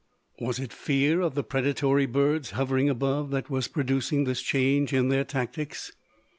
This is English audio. Was it fear of the predatory birds hovering above that was producing this change in their tactics?